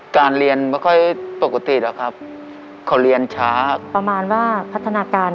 ของเกี่ยวกับพศาสตร์